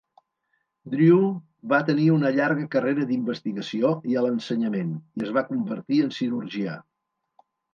Drew va tenir una llarga carrera d'investigació i a l'ensenyament, i es va convertir en cirurgià.